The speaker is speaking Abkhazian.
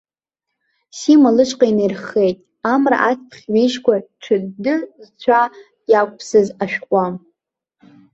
Сима лышҟа инаирххеит, амра ацԥхь ҩежьқәа ҿыдды зцәа иақәԥсаз ашәҟәы.